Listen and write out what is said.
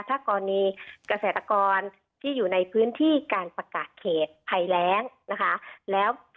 ถ้ากรณีเกษตรกรที่อยู่ในพื้นที่การประกาศเขตภัยแรงนะคะ